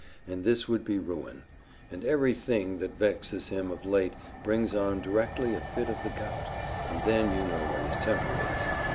and this would be ruin; and every thing that vexes him of late brings on directly a fit of the gout and then you know what his temper is!